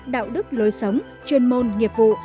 đạo đức lối sống chuyên môn nghiệp vụ